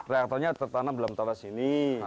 reaktornya tertanam di dalam tanah sini